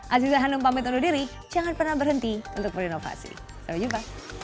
asli zahandung pamit untuk diri jangan pernah berhenti untuk berinovasi sampai jumpa